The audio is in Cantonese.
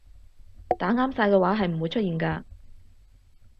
打啱晒嘅話係唔會出現㗎